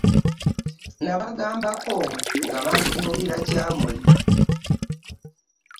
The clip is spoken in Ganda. Nabagambangako nga bantunuulira kyamuli.